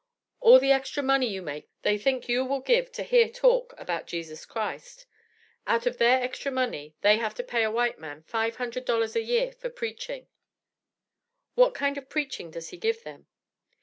All the extra money you make they think you will give to hear talk about Jesus Christ. Out of their extra money they have to pay a white man Five hundred dollars a year for preaching." "What kind of preaching does he give them?"